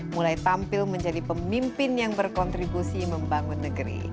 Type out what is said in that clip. mulai tampil menjadi pemimpin yang berkontribusi membangun negeri